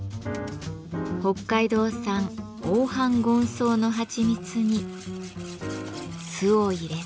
北海道産おおはんごん草のはちみつに酢を入れて。